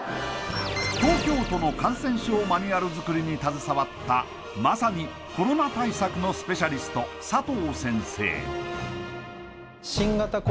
東京都の感染症マニュアル作りに携わったまさにコロナ対策のスペシャリスト佐藤先生